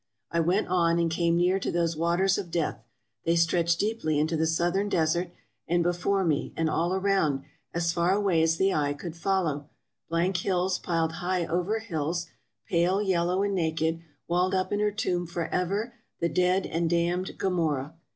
I went on, and came near to those waters of Death; they stretched deeply into the southern desert, and before me, and all around, as far away as the eye could follow, blank hills piled high over hills, pale, yellow, and naked, walled up in her tomb forever the dead and damned Go morrah.